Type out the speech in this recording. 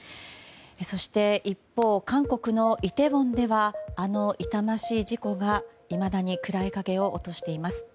そして、一方韓国のイテウォンではあの痛ましい事故が、いまだに暗い影を落としています。